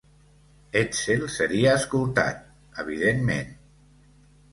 Edsel seria escoltat, evidentment.